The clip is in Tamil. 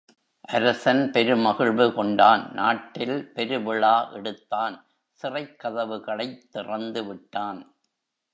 அரசன் பெரு மகிழ்வு கொண்டான். நாட்டில் பெருவிழா எடுத்தான் சிறைக்கதவுகளைத் திறந்து விட்டான்.